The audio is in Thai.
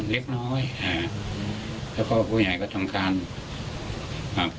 แล้วผักทีให้